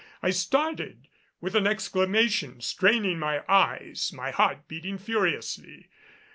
I started, with an exclamation, straining my eyes, my heart beating furiously.